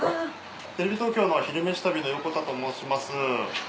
テレビ東京の「昼めし旅」の横田と申します。